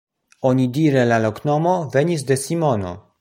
Onidire la loknomo venis de Simono.